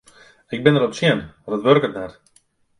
Ik bin derop tsjin want it wurket net.